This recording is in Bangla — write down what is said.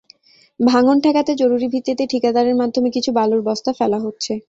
ভাঙন ঠেকাতে জরুরি ভিত্তিতে ঠিকাদারের মাধ্যমে কিছু বালুর বস্তা ফেলা হচ্ছে।